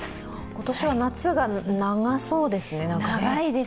今年は夏が長そうですね。